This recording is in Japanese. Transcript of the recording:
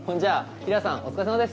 小山さんお疲れさまです。